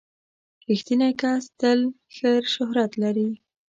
• رښتینی کس تل ښه شهرت لري.